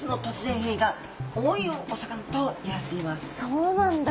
そうなんだ。